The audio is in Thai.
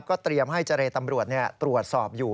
เตรียมให้เจรตำรวจตรวจสอบอยู่